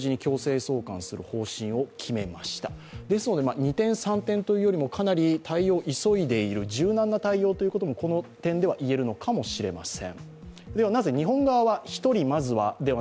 二転三転というよりもかなり対応を急いでいる、柔軟な対応ということもこの点では言えるのかもしれません。